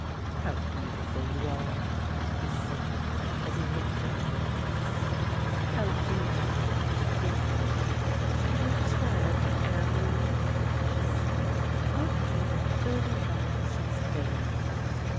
" How beautiful you are! " he said, as he looked into her face. " How glad I am to be here again, and how tired I am, Louis !" she said. " I've driven thirty miles since daylight."